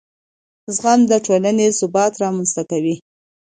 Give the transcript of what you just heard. زغم د ټولنې ثبات رامنځته کوي.